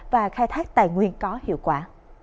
và khai thác tài nguyên có hiệu quả